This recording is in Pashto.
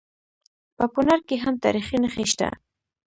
په کونړ کې هم تاریخي نښې شته